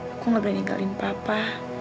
aku gak pernah ninggalin papa